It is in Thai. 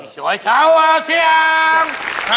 สวยเช้าเอาเชียง